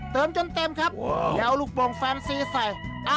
เติมจนเต็มอย่าเอาลูกบ่งแฟมซีใส่